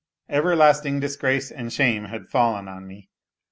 . Everlasting disgrace and shame had fallen on me